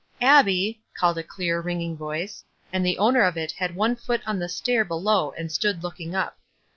"Abbic!" called a clear, ringing voice, and the »wner of it had one foot on the stair below and stood looking up.